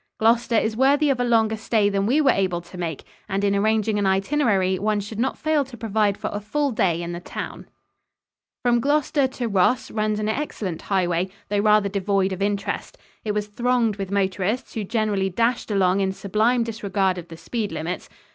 Gloucester is worthy of a longer stay than we were able to make, and in arranging an itinerary one should not fail to provide for a full day in the town. [Illustration: IN GLOUCESTERSHIRE. From Water Color by A. Waters.] From Gloucester to Ross runs an excellent highway, though rather devoid of interest. It was thronged with motorists who generally dashed along in sublime disregard of the speed limits.